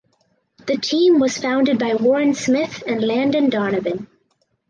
The team was founded by Warren Smith and Landon Donovan.